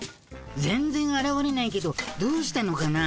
全然あらわれないけどどうしたのかな？